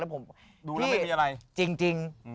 ดูแล้วไม่มีอะไร